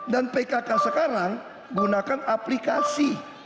dan pkk sekarang gunakan aplikasi